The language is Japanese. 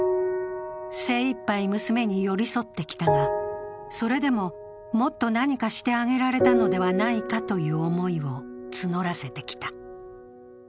精一杯娘に寄り添ってきたが、それでも、もっと何かしてあげられたのではないかという思いを募らせてきた。